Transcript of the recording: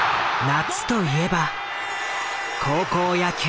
夏といえば高校野球。